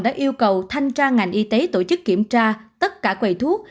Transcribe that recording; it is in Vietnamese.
đã yêu cầu thanh tra ngành y tế tổ chức kiểm tra tất cả quầy thuốc